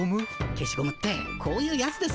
けしゴムってこういうやつです。